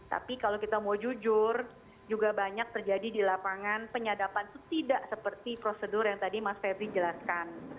tapi kalau kita mau jujur juga banyak terjadi di lapangan penyadapan itu tidak seperti prosedur yang tadi mas febri jelaskan